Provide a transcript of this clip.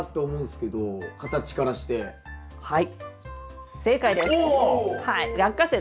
はい。